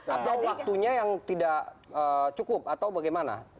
atau waktunya yang tidak cukup atau bagaimana